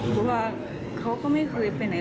เพราะว่าเขาก็ไม่เคยไปไหน